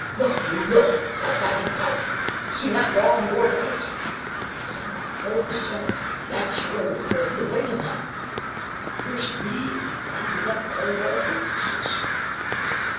"Look! Lew, look! Right behind Pipe. See that long war bonnet. As I'm a born sinner, that's your old friend, Wingenund. 'Pears to me we've rounded up all our acquaintances."